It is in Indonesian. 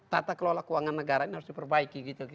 tata kelola keuangan negara ini harus diperbaiki